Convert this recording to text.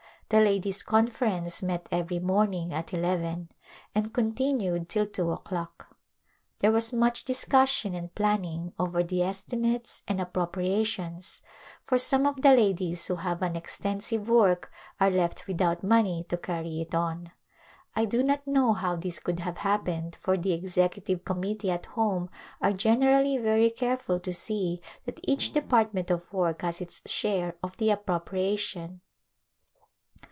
The Ladies' Conference met every morning at eleven and continued till two o'clock. There was much dis cussion and planning over the estimates and appropri ations, for some of the ladies who have an extensive work are left without money to carry it on. I do not know how this could have happened for the executive committee at home are generally very careful to see that each department of work has its share of the ap propriation.